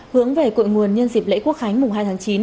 hướng về cội nguồn nhân dịp lễ quốc khánh mùng hai tháng chín